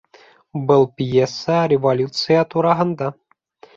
Был пьеса революция тураһында